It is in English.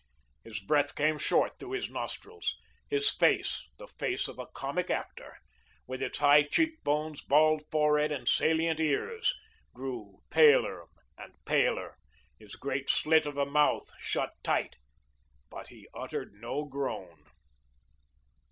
His breath came short through his nostrils; his face, the face of a comic actor, with its high cheek bones, bald forehead, and salient ears, grew paler and paler, his great slit of a mouth shut tight, but he uttered no groan.